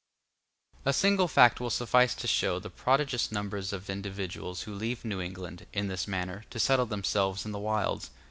] A single fact will suffice to show the prodigious number of individuals who leave New England, in this manner, to settle themselves in the wilds.